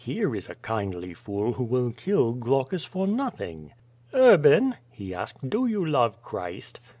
"Here is a kindly fool who will kill Glaucus for nothing." "Urban," he asked, "do you love Christ?"